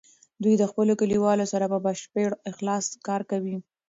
دوی د خپلو کلیوالو سره په بشپړ اخلاص کار کوي.